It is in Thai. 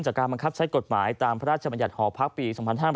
จากการบังคับใช้กฎหมายตามพระราชบัญญัติหอพักปี๒๕๕๘